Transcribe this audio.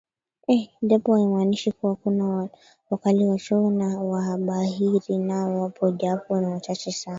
Japo haimanishi kuwa hakuna wakaliwachoyo na wabahiri Nao wapo japo ni wachache sana